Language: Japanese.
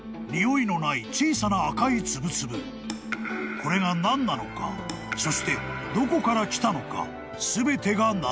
［これが何なのかそしてどこから来たのか全てが謎］